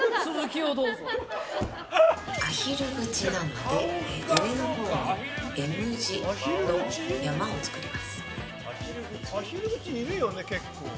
アヒル口なので上のほうにＭ字の山を作ります。